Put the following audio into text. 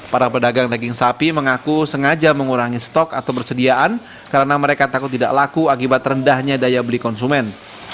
para pedagang daging sapi mengaku sengaja mengurangi stok atau bersediaan karena mereka takut tidak laku akibat rendahnya daya beli konsumen